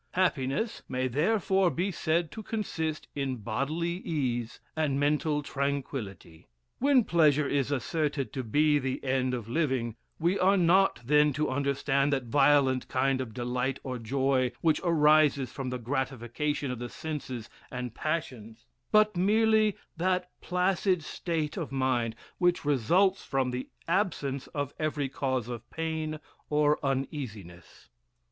Happiness may therefore be said to consist in bodily ease, and mental tranquillity, When pleasure is asserted to be the end of living, we are not then to understand that violent kind of delight or joy which arises from the gratification of the senses and passions, but merely that placid state of mind, which results from the absence of every cause of pain or uneasiness.